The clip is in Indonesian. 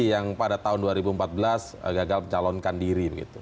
yang pada tahun dua ribu empat belas gagal mencalonkan diri